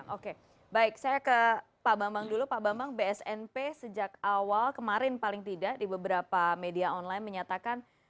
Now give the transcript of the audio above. oke baik saya ke pak bambang dulu pak bambang bsnp sejak awal kemarin paling tidak di beberapa media online menyatakan